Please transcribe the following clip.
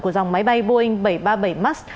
của dòng máy bay boeing bảy trăm ba mươi bảy max